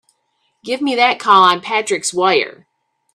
Give me that call on Patrick's wire!